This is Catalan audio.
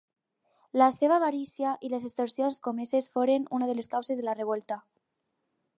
La seva avarícia i les extorsions comeses foren una de les causes de la revolta.